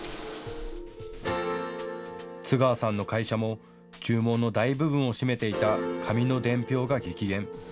津川さんの会社も注文の大部分を占めていた紙の伝票が激減。